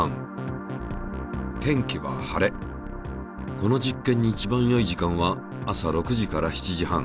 この実験にいちばんよい時間は朝６時から７時半。